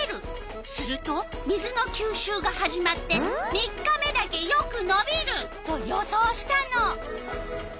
すると水のきゅうしゅうが始まって３日目だけよくのびると予想したの。